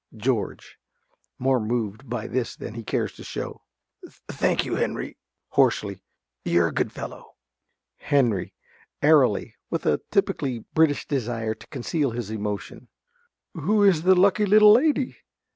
_) ~George~ (more moved by this than he cares to show). Thank you, Henry. (Hoarsely.) You're a good fellow. ~Henry~ (airily, with a typically British desire to conceal his emotion). Who is the lucky little lady?